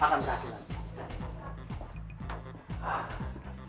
langkah langkah selanjutnya akan berhasil